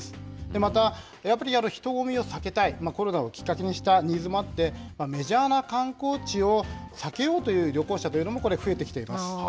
またやっぱり人混みを避けたい、コロナをきっかけにしたニーズもあって、メジャーな観光地を避けようという旅行者というのも増えてきています。